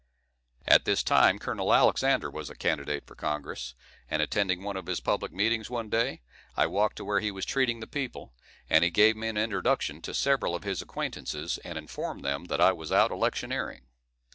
At this time Col. Alexander was a candidate for Congress, and attending one of his public meetings one day, I walked to where he was treating the people, and he gave me an introduction to several of his acquaintances, and informed them that I was out electioneering.